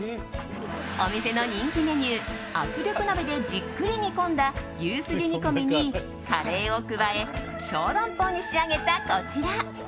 お店の人気メニュー圧力鍋でじっくり煮込んだ牛すじ煮込みにカレーを加え小龍包に仕上げたこちら。